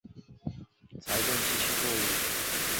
鼹属等之数种哺乳动物。